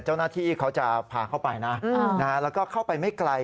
เจ้าหน้าที่เขาจะพาเข้าไปนะแล้วก็เข้าไปไม่ไกล